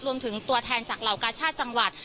รวมถึงตัวแทนจากเหล่ากาชาติจังหวัด